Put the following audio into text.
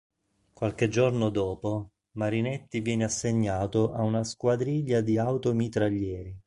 Qualche giorno dopo Marinetti viene assegnato a una squadriglia di "Auto-mitraglieri".